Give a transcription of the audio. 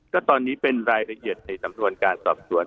ก็ตอนนี้เป็นรายละเอียดในสำนวนการสอบสวน